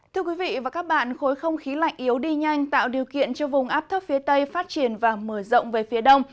thưa quý vị và các bạn khối không khí lạnh yếu đi nhanh tạo điều kiện cho vùng áp thấp phía tây phát triển và mở rộng về phía đông